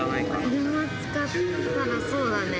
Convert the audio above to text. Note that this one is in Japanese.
車使ったらそうだね